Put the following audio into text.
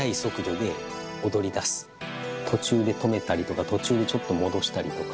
途中で止めたりとか途中でちょっと戻したりとか。